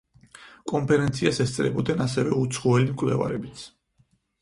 კონფერენციას ესწრებოდნენ ასევე უცხოელი მკვლევარებიც.